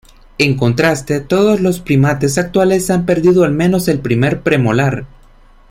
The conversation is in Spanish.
En contraste, todos los primates actuales han perdido al menos el primer premolar.